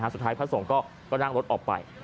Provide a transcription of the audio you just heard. สุดท้ายพระทรงก็นั่งรถออกไป